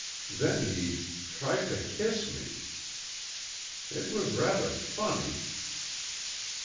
Then he tried to kiss me. It was rather funny."